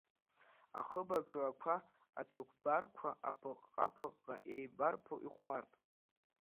Ахыб аҿы ақәа ацәыкәбарқәа апыҟҟа-пыҟҟа, еибарԥо, ихәмарт.